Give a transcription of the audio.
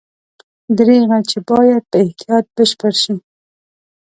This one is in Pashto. دریغه چې باید په احتیاط بشپړ شي.